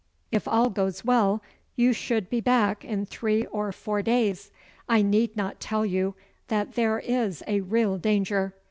If all goes well you should be back in three or four days. I need not tell you that there is a real danger.